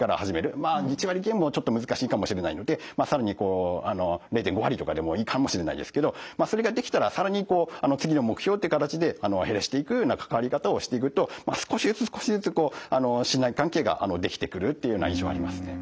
まあ１割減もちょっと難しいかもしれないので更に０．５割とかでもいいかもしれないですけどそれができたら更にこう次の目標っていう形で減らしていくような関わり方をしていくと少しずつ少しずつ信頼関係ができてくるっていうような印象ありますね。